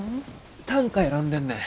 短歌選んでんねん。